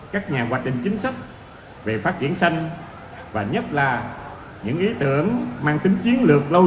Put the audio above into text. các nhà hoạch định chính sách về phát triển xanh và nhất là những ý tưởng mang tính chiến lược lâu